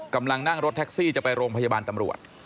กำลังนั่งรถแท็กซี่จะไปโรงพยาบาลตำรวจ